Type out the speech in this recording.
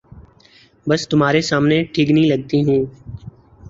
بس تمہارے سامنے ٹھگنی لگتی ہوں۔